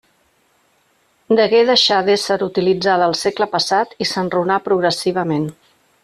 Degué deixar d'ésser utilitzada el segle passat i s'enrunà progressivament.